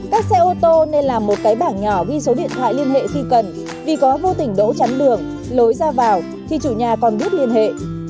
các xe ô tô nên làm một cái bảng nhỏ ghi số điện thoại liên hệ khi cần vì có vô tỉnh đỗ chắn đường lối ra vào thì chủ nhà còn biết liên hệ